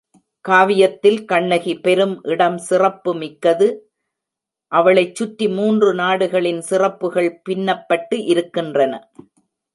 காவியத்தில் கண்ணகி பெரும் இடம் சிறப்பு மிக்கது அவளைச் சுற்றி மூன்று நாடுகளின் சிறப்புகள் பின்னப்பட்டு இருக்கின்றன.